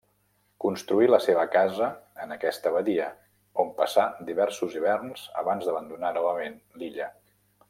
Construí la seva casa en aquesta badia, on passà diversos hiverns abans d'abandonar novament l'illa.